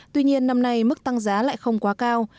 tuy nhiên năm nay mức tăng giá lại không quá cao